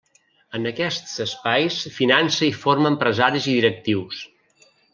En aquests espais finança i forma empresaris i directius.